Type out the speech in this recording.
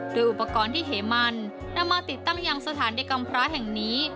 โดยอุปกรณ์ที่เหมันนำมาติดตั้งยังสถานเด็กกำพระแห่งนี้